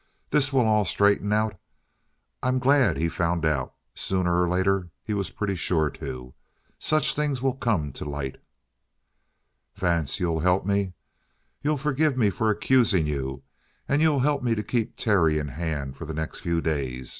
This will all straighten out. I'm glad he's found out. Sooner or later he was pretty sure to. Such things will come to light." "Vance, you'll help me? You'll forgive me for accusing you, and you'll help me to keep Terry in hand for the next few days?